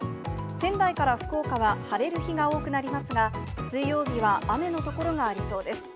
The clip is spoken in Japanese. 仙台から福岡は晴れる日が多くなりますが、水曜日は雨の所がありそうです。